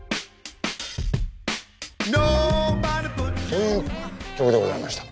という曲でございました。